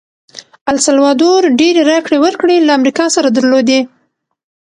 السلوادور ډېرې راکړې ورکړې له امریکا سره درلودې.